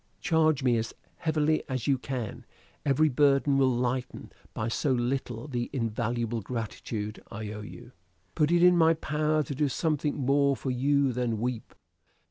Charge me as heavily as you can; every burden will lighten, by so little, the invaluable gratitude I owe you. Put it in my power to do something more for you than weep."